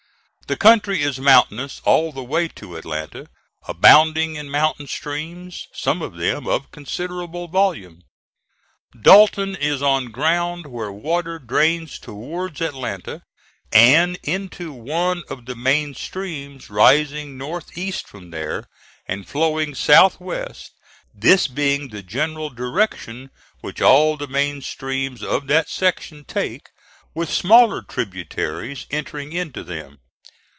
The country is mountainous all the way to Atlanta, abounding in mountain streams, some of them of considerable volume. Dalton is on ground where water drains towards Atlanta and into one of the main streams rising north east from there and flowing south west this being the general direction which all the main streams of that section take, with smaller tributaries entering into them.